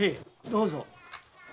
どうぞ。